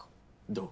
どう？